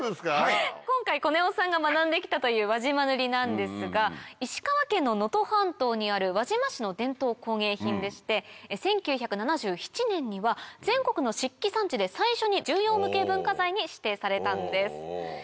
今回コネオさんが学んで来たという輪島塗なんですが石川県の能登半島にある輪島市の伝統工芸品でして１９７７年には全国の漆器産地で最初に重要無形文化財に指定されたんです。